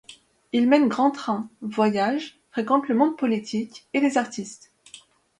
Il mène grand train, voyage, fréquente le monde politique et les artistes.